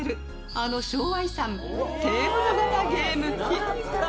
あの昭和遺産、テーブル型ゲーム機。